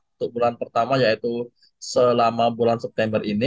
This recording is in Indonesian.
untuk bulan pertama yaitu selama bulan september ini